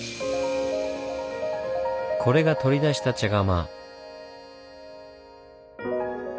これが取り出した茶釜。